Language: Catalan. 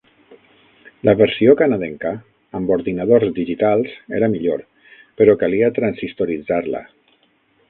La versió canadenca, amb ordinadors digitals, era millor, però calia transistoritzar-la.